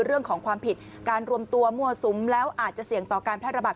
เรื่องของความผิดการรวมตัวมั่วสุมแล้วอาจจะเสี่ยงต่อการแพร่ระบาด